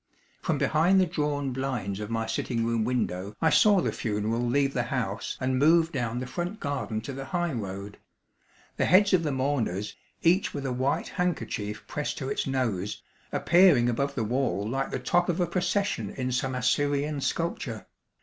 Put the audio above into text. From behind the drawn blinds of my sitting room window I saw the funeral leave the house and move down the front garden to the high road the heads of the mourners, each with a white handkerchief pressed to its nose, appearing above the wall like the top of a procession in some Assyrian sculpture.